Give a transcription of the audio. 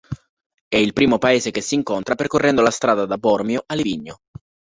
È il primo paese che si incontra percorrendo la strada da Bormio a Livigno.